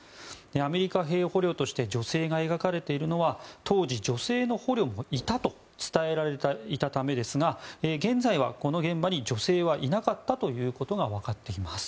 アメリカ兵捕虜として女性が描かれているのは当時、女性の捕虜もいたと伝えられていたためですが現在は、この現場に女性はいなかったということが分かっています。